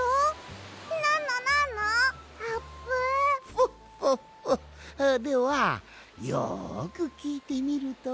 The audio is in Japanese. フォッフォッフォッではよくきいてみるといい。